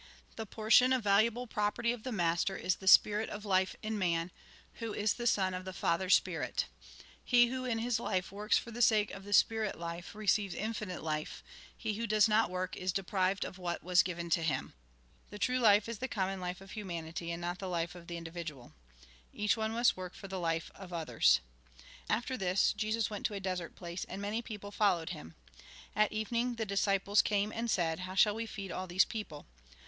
The portion of valuable property of the master is the Spirit of life in man, who is the son of the Father Spirit. He who in his Life works for the sake of the spirit life, receives infinite life ; he who does not work, is deprived of what was given to him. 1 82 THE GOSPEL IN BRIEF The true life is the common life of humanity, and not the life of the individual. Each one must work for the life of others. After this, Jesus went to a desert place, and many people followed him. At evening, the disciples came, and said :" How shall we feed all these people